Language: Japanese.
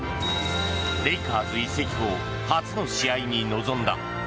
レイカーズ移籍後初の試合に臨んだ。